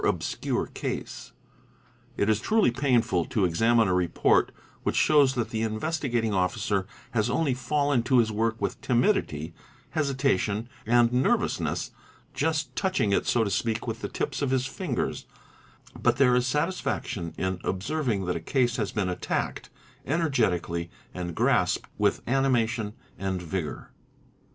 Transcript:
obscure case. It is truly painful to examine a report which shows that the Investigating Officer has only fallen to his work with timidity, hesitation, and nerv ousness, just touching it so to speak with the tips of his fingers; but there is satisfaction in observing that a case has been attacked energetically and grasped with animation and vigour.